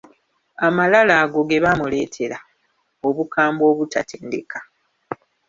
Amalala ago ge Baamuleetera obukambwe obutatendeka.